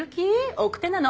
奥手なの。